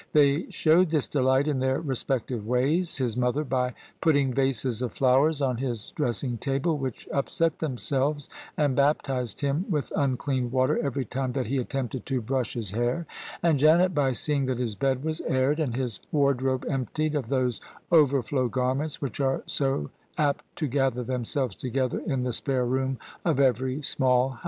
They showed this delight in their respective ways: his mother by putting vases of flowers on his dressing table, which upset themselves and baptised him with unclean water every time that he attempted to brush his hair; and Janet by seeing that his bed was aired, and his wardrobe emptied of those overflow garments which are so apt to gather themselves together in the spare room of every small house.